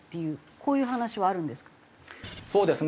こういう話はあるんですか？